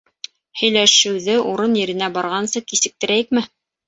- Һөйләшеүҙе... урын-еренә барғансы кисектермәйекме?